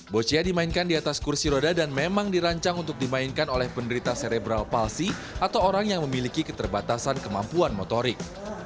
boccia dimainkan di atas kursi roda dan memang dirancang untuk dimainkan oleh penderita serebral palsi atau orang yang memiliki keterbatasan kemampuan motorik